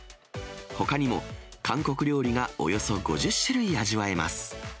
ほかにも、韓国料理がおよそ５０種類味わえます。